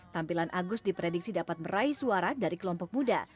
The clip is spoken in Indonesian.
tampilan agus diprediksi dapat meraih suara dari kelompok muda